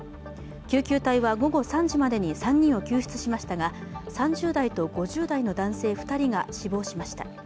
救急隊は午後３時までに３人を救出しましたが３０代と５０代の男性２人が死亡しました。